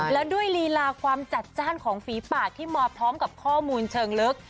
แล้วด้วยลีลาความจัดจ้านของฝีปากที่มาพร้อมกับข้อมูลเชิงลึก